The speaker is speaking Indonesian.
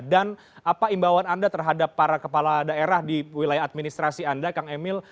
apa imbauan anda terhadap para kepala daerah di wilayah administrasi anda kang emil